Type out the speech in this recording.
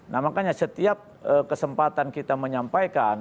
nah makanya setiap kesempatan kita menyampaikan